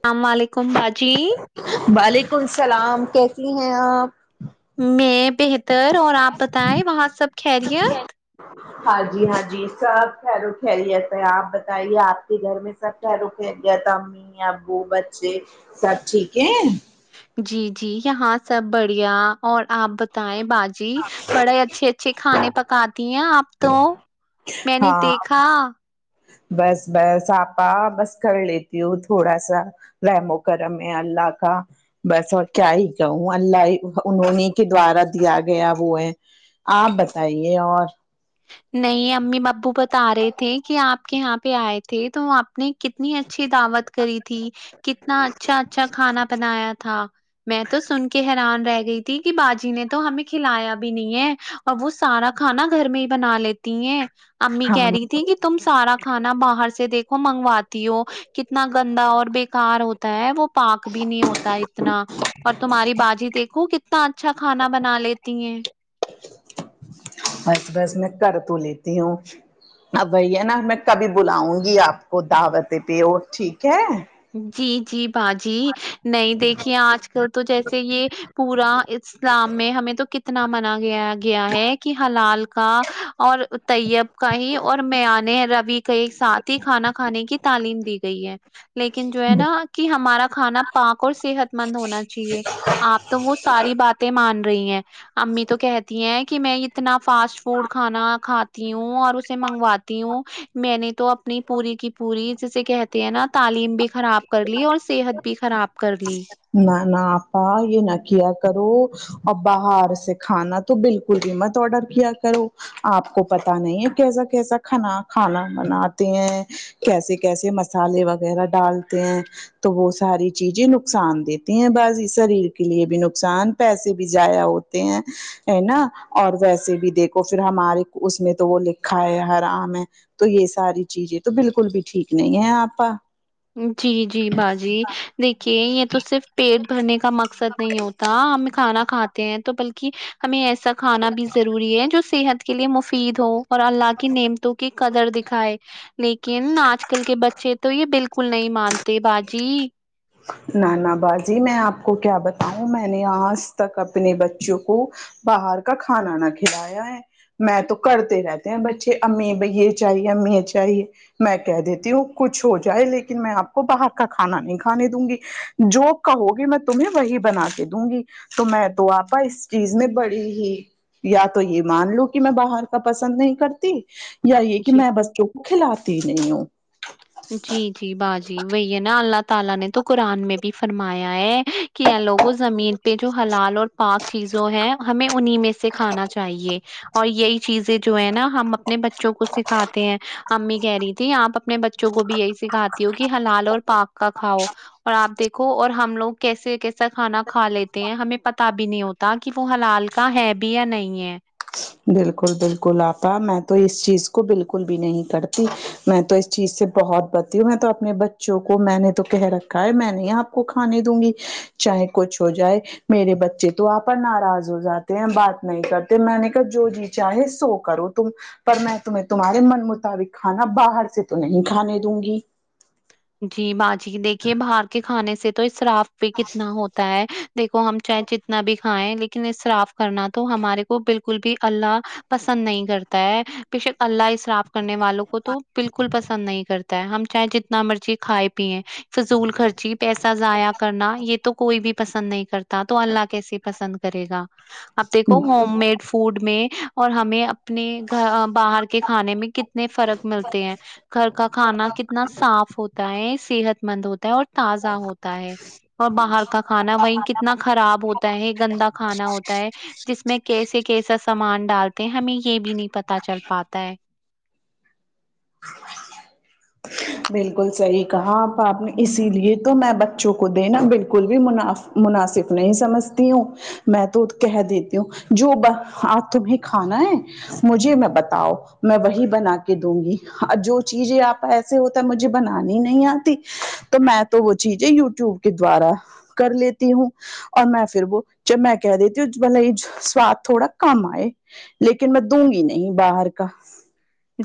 اسلام علیکم باجی وعلیکم السلام کیسی ہیں آپ میں بہتر اور آپ بتائیں وہاں سب خیریت ہاں جی ہاں جی سب خریت ہے آپ بتائیے آپ کے گھر میں سب خریت سے تم امی ابو بچھے سب ٹھیک ہیں جی جی یہاں سب بڑھیا اور آپ بتائیں باجی بڑے اچھے اچھے کھانے پکاتی ہیں آپ تو میں نے ہاں دیکھا بس بس آپا بس کر لیتی ہو تھوڑا سا رحم وکرم ہے اللہ کا بس اور کیا ہی کہوں اللہ ہی انہی کے دوارا دیا گیا وہ ہے آپ بتائیے اور نہیں امی ابو بتا رہے تھے کہ آپ کے یہاں پہ آئے تھے تو آپ نے کتنی اچھی دعوت کری تھی کتنا اچھا اچھا کھانا بنایا تھا میں تو سن کے حیران رہ گئی کہ باجی نے تو ہمیں کھلایا بھی نہیں ہے اور وہ سارا کھانا گھر میں بنا لیتی ہیں امی ہاں کہہ رہی تھی کہ تم سارا کھانا باہر سے دیکھو منگواتی ہو کتنا گندا اور بیکار ہوتا ہے وہ پاک بھی نہیں ہوتا اتنا اور تمہاری باجی دیکھو کتنا اچھا کھانا بنا لیتی ہیں بس بس میں کر تو لیتی ہوں اپ آئیے نا میں کبھی بلاؤں گی آپ کو دعوت پہ اور ٹھیک ہے جی جی باجی نہیں دیکھیے آج کل تو جیسے یہ پورا اسلام میں ہمیں تو کتنا مانا گیا گیا ہے کہ حلال کا اور طیب کا ہی اور میانے رب ہی کیسا کھانا کھانے کی تعلیم دی گئی ہے لیکن جو ہے نا کہ ہمارا کھانا پاک اور صحت مند ہونا چاہیے آپ تو وہ ساری باتیں مان رہی ہیں امی تو کہتی ہیں کہ میں اتنا فاسٹ فوڈ کھانا کھاتی ہوں اور اسے منگواتی ہوں میں نے تو اپنی پوری کی پوری جیسے کہتے ہیں نا تعلیم بھی خراب کر لی اور صحت بھی خراب کرلی نہ نہ آپا یہ نہ کیا کرو اور باہر سے کھانا تو بالکل بھی مت آڈر کیا کرو آپ کو پتا نہیں ہے کیسا کیسا کھانا کھانا بناتے ہیں کیسے کیسے مسالے وغیرہ ڈالتے ہیں تو وہ ساری چیزیں نقصان دیتے ہیں بس شریر کے لیے بھی نقصان پیسے بھی زایہ ہوتے ہیں ہے نا اور ویسے بھی دیکھو پھر ہمارے اس میں تو وہ لکھا ہے ہرام ہے تو یہ ساری چیزیں تو بلکل بھی ٹھیک نہیں ہے آپا جی جی باجی دیکھیے یہ تو صرف پیٹ بھرنے کا مقصد نہیں ہوتا ہم کھانا کھاتا ہیں تو بلکہ ہمیں ایسا کھانا بھی ضروری ہے جو صحت کے لیے مفید ہو اور اللہ کی نیامت و کی کدر دیکھیے لکن اج کل کے بچے تو یہ بلک کل نہیں مانتے باجی نان باجی میں آپ کو کیا بتاؤں میں نے آج تک اپنے بچوں کو باہر کا کھانا نہ کھلایا ہے میں تو کرتے رہتے ہیں بچے امی بھائی یہ چاہیے ایں یہ چاہیے میں کہ دیتی ہوں کچھ ہو جائے لیکن میں آپ کو باہر کا کھانا نہیں کھا کے دوں گی جو کہو گی میں تمہیں وہی بنا کے دوں گی تو میں تو آپا اس چیز میں بڑی ہی یا تو یہ مان لوں کہ میں باہر کا پسند نہیں کرتی یا یہ کہ جی میں بچوں کو کھلاتی ہی نہیں ہوں جی جی باجی وہی ہے نا اللہ تعالی نے تو قرآن میں بھی فرمایا ہے کیا لوگوں زمین پہ جو حلال اور پاک چیزوں ہے ہمیں انہیں میں سے کھانا چاہیے اور یہی چیزیں جو ہے نا ہم اپنے بچوں کو سکھاتے ہیں امی کہہ رہی تھی آپ اپنے بچ بچوں کو بھی یہی سکھاتی ہو کہ ہلال اور پاک کا کھاؤ اور آپ دیکھو اور ہم لوگ کیسے کیسا کھانا کھا لیتے ہیں ہمیں پتا بھی نہیں ہوتا ت کہ وہ حلال کا ہے بھی یا نہیں ہے بالکل بالکل آپا میں تو اس چیز کو بالکل بھی نہیں کرتی میں تو اس چیز سے بہت بتی ہوں میں تو اپنے بچوں کو میں نے تو کہہ رکھا ہے میں نے یہاں کو کھانے دوں گی چاہے کچھ ہو جائے میرے بچے تو آپ پر ناراض ہو جاتے ہیں بات نہیں کرتے میں نے جو جی چاہے سو کرو تم پر میں تمھے تمھارے من مطابق کھانا بہار سے تو نہیں کھانے دونگی جی باجی دیکھیے باہر کے کھانے سے تو شراف بھی کتنا ہوتا ہے دیکھو ہم چائےے جتنا بھی کھائیں لیکن اس صراف کرنا تو ہمارے کو بالکل بھی اللہ پسند نہیں کرتا ہے بیشک اللہ اسے صراف کرنے والوں کو تو بالکل پسند نہیں کرتا ہے ہم چاہے جتنا مرضی کھائے پییں فضول خرچی پیسہ ضائع کرنا یہ تو کوئی بھی پسند نہیں کرتا تو اللہ کیسے پسند کرےگا اب دیکھو ہوم میڈ فوڈ میں اور ہمیں اپنے گھر باہر کے کھانے میں کتنے فرق ملتے ہیں گھر کا کھانا کتنا صاف ہوتا ہے صحت مند ہوتا ہے اور تازہ ہوتا ہے اور باہر کا کھانا وہیں کتنا خراب ہوتا ہے گندا کھانا ہوتا ہے جس میں کیسے کیسا سامان ڈالتے ہیں ہمیں یہ بھی نہیں پتا چل پاتا ہے بالکل ساہی کہا آپ آپ نے اسی لیے تو میں بچوں کو دینا بالکل بھی مناف مناسب نہیں سمجھتی ہوں میں تو کہہ دیتی ہوں اج تمہیں کھانا ہے مجھے میں بتاؤ میں وہی بنا کے دوں گی جو چیزیں آپ ایسے ہوتا ہے مجھے بنانی نہیں آتی تو میں تو وہ چیزیں یو ٹیوب کے دوارا کر لیتی ہوں اور میں پھر وہ جب میں کہہ دتی ہو سواد تھوڑا کم آئے لیکن میں دوں گی نہیں باہر کا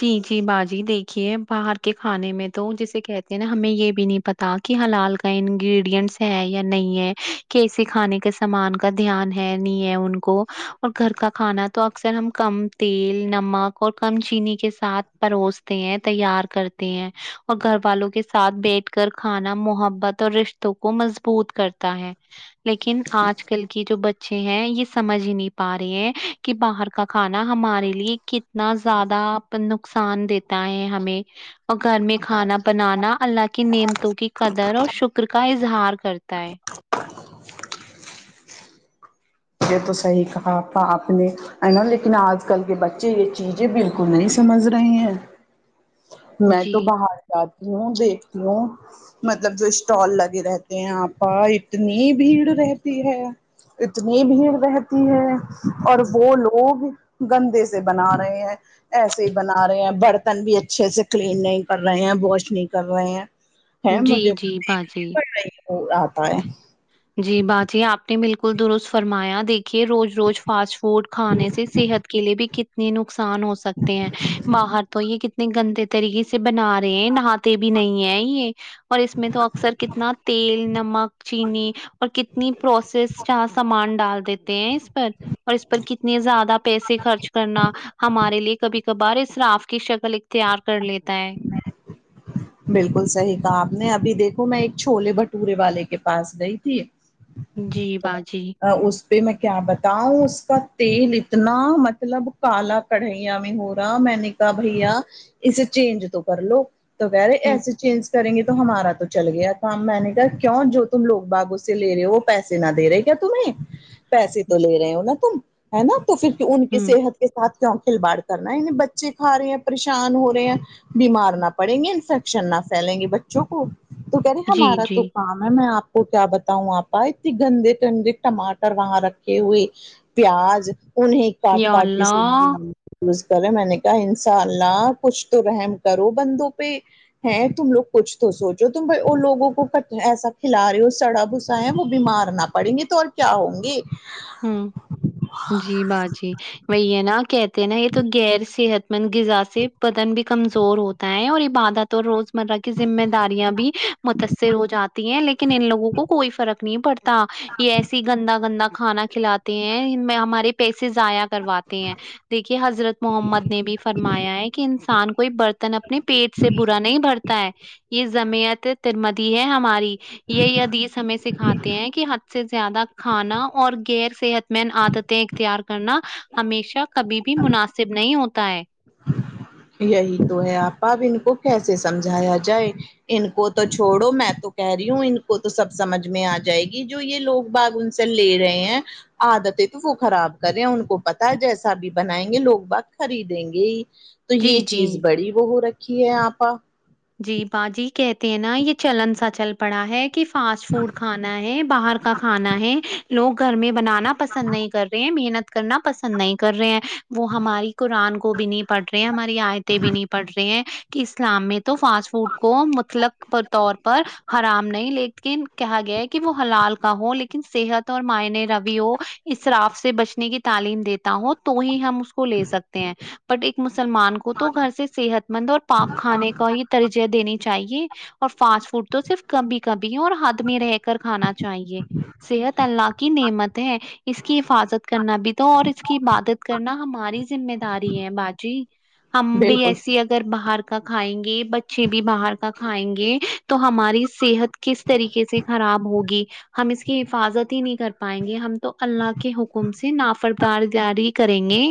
جی جی باجی دیکھیے باہر کے کھانے میں تو جسے کہتے ہیں نا ہمیں یہ بھی نہیں پتا کہ حلال کا انگریڈینٹس ہے یا نہیں ہے کیسے کھانے کا سامان کا دھیان ہے نہیں ہے ان کو اور گھر کا کھانا تو اکثر ہم کم تیل نمک اور کم چینی کے ساتھ پروستے ہیں تیار کرتے ہیں اور گھر والوں کے ساتھ بیٹھ کر کھانا محبت اور رشتوں کو مضبوط کرتا ہے لیکن آج کل کی جو ب اچھے ہیں یہ سمجھ ہی نہیں پا رہے ہیں کہ باہر کا کھانا ہمارے لیے کتنا زیادہ نقصان دیتا ہے ہمیں اور گھر میں کھانا بنانا اللہ کی نعمتوں کی قدر اور شکر کا اظہار کرتا ہے یہ تو صحیح کہا تھا آپ نے ہے نا لیکن آج کل کے بچے یہ چیزیں بالکل نہیں سمجھ رہے ہیں میں جی تو باہر جاتی ہوں دیکھتی ہوں مطلب جو اسٹال لگے رہتے ہیں آپا اتنی بھیڑ رہتی ہے اتنی بھیڑ رہتی ہے اور وہ لوگ گندے سے بنا رہے ہیں ایسے ہی بنا رہے ہیں برتن بھی اچ اچھے سے کلین نہیں کر رہے ہیں واش نہیں کر رہے ہیں ہے جی مجھے تو جی دیکھنی باجی پڑ رہی ہے وہ آتا ہے جی باجی آپ نے بالکل درست فرمایا دیک کہ روز روز فاسٹ فوڈ کھانے سے صحت کے لیے بھی ک تنے نقصان ہو سکتے ہیں باہر تو یہ کتنے گندے طریقے سے سے بنا رہے ہیں نہاتے بھی نہیں ہے یہ اور اس میں تو اکثر کتنا تیل نمک چینی اور کتنی پروسیسڈ سامان ڈال دیتے ہیں اس پر اور اس پر کتنے زیادہ پیسے خرچ کرنا ہمارے لیے کبھی کبھار اسراف کی شکل اختیار کر لیتا ہے بالکل صحیح کہا آپ نے ابھی دیکھو میں ایک چھولے بھٹورے والے کے پاس گئی تھی جی باجی اس پہ میں کیا بتاؤں اس کا تیل اتنا مطلب کالا کڑھائییا میں ہو رہا میں نے کہا بھیا اسے چینج تو کر لو تو کہ رے ہ ایسسی چینز کریں گے تو ہمارا تو چل گیا کام میں نے کہا کیوں جو تم لوگ باغ اس سے لے رہے ہو وہ پیسے نا دے رہے ک تمہیں پیسے تو لے رہے ہو نا تم ہے نا تو پھر ان کی ہ صحت کے کے ساتھ کیوں کھلواڑ کرنا ہے یعنی بچے کھا رہے ہیں پریشان ہو رہے ہیں بیمار نہ پڑیں گے انفیکشن نہ پھیلیں گے بچوں کو تو کہہ رہے جی ہمارا جی تو کام ہے میں آپ کو کیا بتاؤں آپا اتنے گندے گندے ٹماٹر وہاں رکھے ہوئے پیاز انہیں کاٹ یا کاٹ کے اللہ سبزیاں ز کریں میں نے کہا ان شاء اللہ کچھ تو رحم کرو بندوں پہ ہیں تم لوگ کچھ تو سوچو تم لوگوں کو ایسا کھلا رہے ہو سڑا چاہیں وہ بیمار نہ پڑیں گے تو اور کیا ہوں گے ہوں جی باجی مے یہ نا کہتے ہیں نا یہ تو غیر صحت مند غذا سے پتن بھی کمزور ہوتا ہے اور عبادت اور روز مرہ کی ذمہ داریاں بھی متاثر ہو جاتی ہیں لیکن ان لوگوں کو کوئی فرق نہیں پڑتا یہ ایسی گندا گندا کھانا کھلاتے ہیں ہم پیسے ضائع کرواتے ہیں دیکھیے حضرت محمد نے بھی فرمایا ہے کہ انسان کوئی برتن اپنے پیٹ سے برا نہیں بھرتا ہے یہ زمیعت ترمدی ہے ہماری یہ حدیث ہمیں سکھاتے ہیں کہ سے زیادہ کھانا اور غیر صحت مند عادتیں اختیار کرنا ہمیشہ کبھی بھی مناسب نہیں ہوتا ہے یہی تو ہے آپا اب ان کو کیسے سمجھایا جائے ان کو تو چھوڑو میں تو کہہ رہی ہوں ان کو تو سب سمجھ میں آ جائے گی جو یہ لوگ باغ ان سے لے رہے ہیں عادت ہے تو وہ خراب کرے ان کو پتا جیسا بھی بنائیں گے لوگ بت خریدیں گے ہی تو یہ جی چیز جی بڑی وہ ہو رکھی ہے آپا جی باجی کہتے ہیں نا یہ چلن سا چل پڑا ہے کہ فاسٹ فوڈ کھانا ہے باہر کا کھانا ہے لوگ گھر میں بنانا پسند نہیں کر رہے ہیں محنت کرنا پسند نہیں کر رہے ہیں وہ ہماری قرآن کو بھی نہیں پڑھ رہے ہیں ہماری آیتیں بھی نہیں پڑھ رہے ہیں کہ اسلام میں فاسٹ فوڈ کو متلق طور پر حرام نہیں لیکن کہا گیا ہے کہ وہ ہلال کا ہو لیکن صحت اور معائنے رویوں اسراف سے بچنے کی تعلیم دیتا ہو تو ہی ہم اس کو کو لے سکتے ہیں بٹ ایک مسلمان کو تو گھر سے صحت مند اور پاپ کھانے کا ہی ترجیح دینی چاہیے اور فاسٹ فوڈ تو صرف کبھی کبھی ہے اور ہد میں رہ کر کھانا چاہیے صحت اللہ کی نعمت ہے اس کی حفاظت کرنا بھی تو اور اس کی عبادت کرنا ہماری ذمہ داری ہے باجی ہم بھی بالکل ایسی اگر باہر کا کھائیں گے بچے بھی باہر کا کھائیں گے تو ہماری صحت کس طریقے سے خراب ہوگی ہم اس کی حفاظت ہی نہیں کر پائیں گے ہم تو اللہ کے حکم سے نافردار جاری کریں گے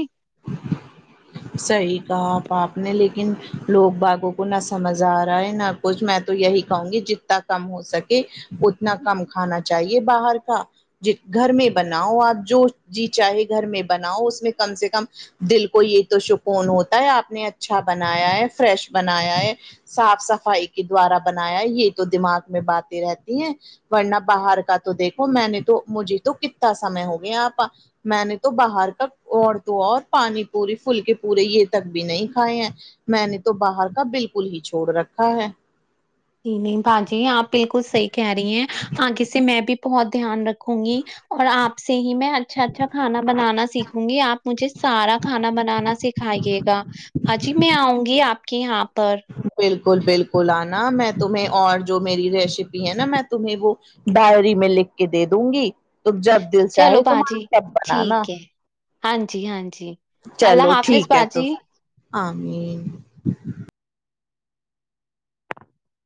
صحیح کہا پ آپ نے لیکن لوگ باغوں کو نہ سمجھ آ رہا ہے نہ کچھ میں تو یہی کہوں گی جتنا کم ہو سکے اتنا کم کھانا چاہیے باہر کا جی گھر میں بناؤ آپ جو جیز چاہے گھر میں بناؤ اس میں کم سے کم دل کو یہ تو شکون ہوتا ہے آپ نے اچھا بنایا ہے فریش بنایا ہے صاف صفائی کے دوارا بنایا یہ تو دماغ میں باتیں رہتی ہیں ورنہ باہر کا تو دیکھو میں نے تو مجھے تو کتنا سمے ہو گیا آپا میں نے تو باہر کا عتوں اور پانی پوری پلک پورے یہ تک بھی نہیں کھائے ہیں میں نے تو باہر کا بلکل ہی چھوڑ رکھا ہے ج نہیں بھ جی آپ بالکل صحیح کہہ رہی ہیں آگے سے میں بھی بہت دھیان رکھوں گی اور آپ سے ہی میں اچھا اچھا کھانا بنانا سیکھوں گی آپ مجھے سارا کھانا بنانا سکھائیے گا ہاں جی میں آؤں گی آپ کے یہاں پر بلکل بلکل آنا میں تمہیں اور جو میری ریسیپی ہے نا میں تمہیں وہ ڈائری میں لکھ کے دے دوں گی تم جب دل چلو چاہے تمہار باجی تب بنانا ٹھیک ہے ہاں جی ہاں جی اللہ چلو حافظ ٹھیک ہے تو باجی آمین